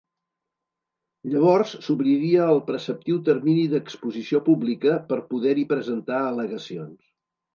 Llavors s’obriria el preceptiu termini d’exposició pública per poder-hi presentar al·legacions.